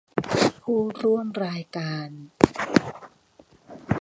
ผู้ร่วมรายการ